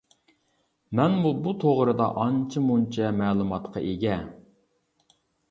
مەنمۇ بۇ توغرىدا ئانچە-مۇنچە مەلۇماتقا ئىگە.